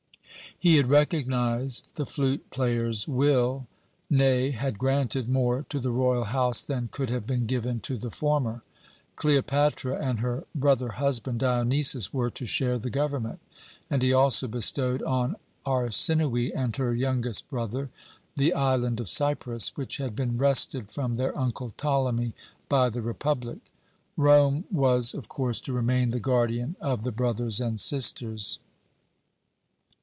"He had recognized the flute player's will, nay, had granted more to the royal house than could have been given to the former. Cleopatra and her brother husband, Dionysus, were to share the government, and he also bestowed on Arsinoë and her youngest brother the island of Cyprus, which had been wrested from their uncle Ptolemy by the republic. Rome was, of course, to remain the guardian of the brothers and sisters.